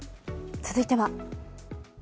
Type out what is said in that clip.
続いては。